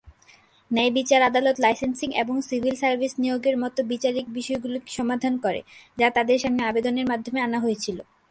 ন্যায়বিচার আদালত লাইসেন্সিং এবং civil service নিয়োগের মতো বিচারিক বিষয়গুলি সমাধান করে, যা তাদের সামনে আবেদনের মাধ্যমে আনা হয়েছিল।